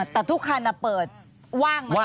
แต่ทุกคันเปิดว่างมาก